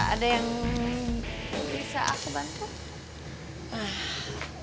ada yang bisa aku bantu